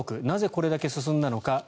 なぜこれだけ進んだのか。